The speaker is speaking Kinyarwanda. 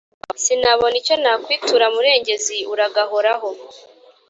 Sinabona icyo nakwitura murengezi uragahoraho